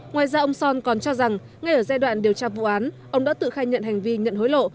ngoài ra ông son còn cho rằng ngay ở giai đoạn điều tra vụ án ông đã tự khai nhận hành vi nhận hối lộ